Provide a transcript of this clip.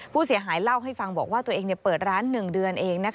ผู้เสียหายเล่าให้ฟังบอกว่าตัวเองเปิดร้าน๑เดือนเอง